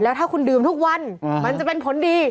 ถ้าคุณดื่มทุกวันมันจะเป็นผลดี